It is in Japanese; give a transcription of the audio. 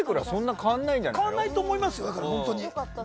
変わらないと思います。